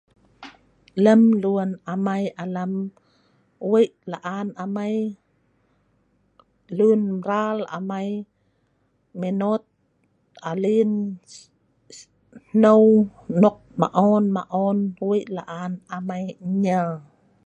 Lem lun amai alam. Wei laan amai. Lun mral amai menot . Sungneu maon Wei laan amai nyel.